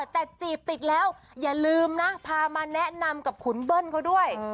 แต่จีบติดแล้วอย่าลืมนะพามาแนะนำกับขุนเบิ้ลเขาด้วย